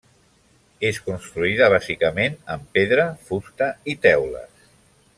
És construïda bàsicament amb pedra, fusta i teules.